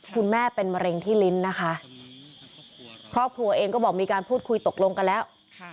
คุณแม่เป็นมะเร็งที่ลิ้นนะคะครอบครัวเองก็บอกมีการพูดคุยตกลงกันแล้ว